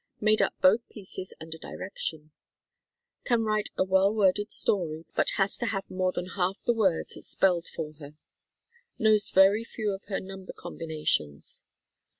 Made up both pieces under direction. Can write a well worded story, but has to have more than half the words spelled for her. Knows very few of her number combinations.